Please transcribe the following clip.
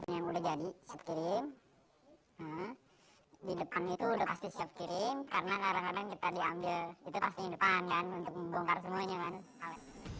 yang udah jadi saya kirim di depannya itu udah pasti siap kirim karena kadang kadang kita diambil itu pasti depan kan untuk membongkar semuanya kan